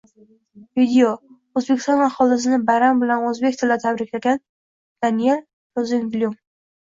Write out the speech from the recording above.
Video: O‘zbekiston aholisini bayram bilan o‘zbek tilida tabriklagan Deniel Rozenblyum